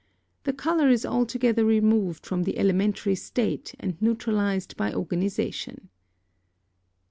The colour is altogether removed from the elementary state and neutralised by organisation.